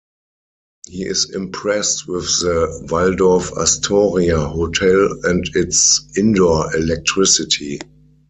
He is impressed with the Waldorf-Astoria hotel and its indoor electricity.